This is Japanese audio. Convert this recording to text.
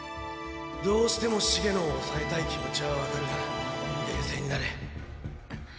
どうしても茂野を抑えたい気持ちは分かるが冷静になれ。